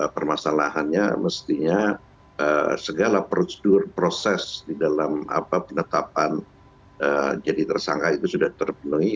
permasalahannya mestinya segala prosedur proses di dalam penetapan jadi tersangka itu sudah terpenuhi